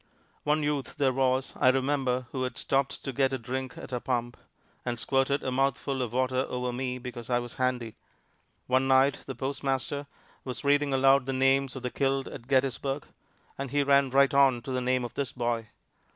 One youth there was, I remember, who had stopped to get a drink at our pump, and squirted a mouthful of water over me because I was handy. One night the postmaster was reading aloud the names of the killed at Gettysburg, and he ran right on to the name of this boy.